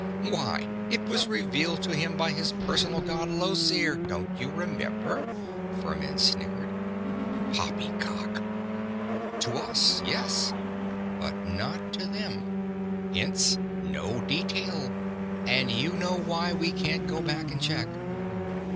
"_ "Why, it was revealed to him by his personal god Llosir don't you remember?" Furmin snickered. "Poppycock!" _"To us, yes; but not to them. Hence, no detail, and you know why we can't go back and check."